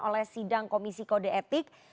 oleh sidang komisi kode etik